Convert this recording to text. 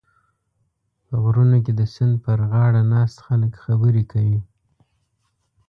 په غرونو کې د سیند پرغاړه ناست خلک خبرې کوي.